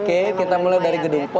oke kita mulai dari gedung